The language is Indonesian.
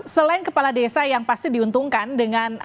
selain kepala desa yang pasti diuntungkan dengan